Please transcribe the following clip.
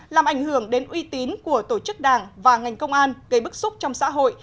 làm ảnh hưởng đến uy tín của tổ chức đảng và ngành công an gây bức xúc trong xã hội